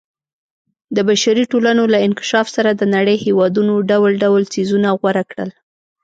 د بشري ټولنو له انکشاف سره د نړۍ هېوادونو ډول ډول څیزونه غوره کړل.